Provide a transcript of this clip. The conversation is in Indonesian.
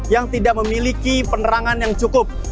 yang tidak memiliki penerangan yang cukup